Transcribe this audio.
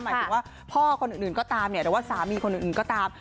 หมายถึงว่าพ่อคนอื่นก็ตามหรือว่าสามีคนอื่นก็ตาม